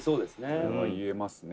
「これは言えますね」